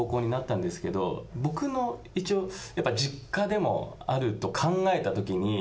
僕の一応やっぱ実家でもあると考えた時に。